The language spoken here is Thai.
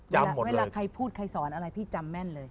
จำหมดเลยเวลาใครพูดใครสอนอะไรพี่จำแม่นเลย